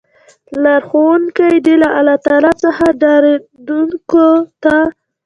لار ښودونکی دی له الله تعالی څخه ډاريدونکو ته